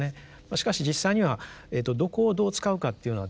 しかし実際にはどこをどう使うかっていうのはですね